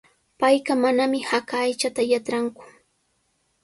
Payqa manami haka aychata yatranku.